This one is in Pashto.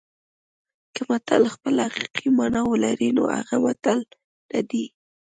که متل خپله حقیقي مانا ولري نو هغه متل نه دی